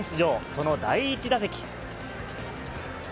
その第１打席。